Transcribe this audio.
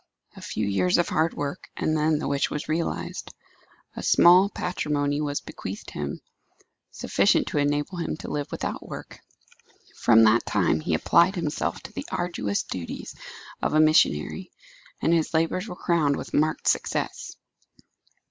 A few years of hard work, and then the wish was realized. A small patrimony was bequeathed him, sufficient to enable him to live without work. From that time he applied himself to the arduous duties of a missionary, and his labours were crowned with marked success.